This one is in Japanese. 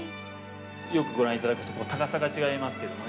よくご覧いただくと高さが違いますけどもね。